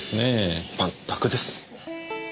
全くです。